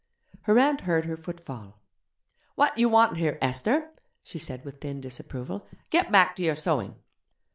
Her aunt heard her footfall. 'What do you want here, Esther?' she said with thin disapproval; 'get back to your sewing.'